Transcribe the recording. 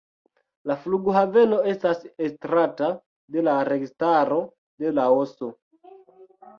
La flughaveno estas estrata de la registaro de Laoso.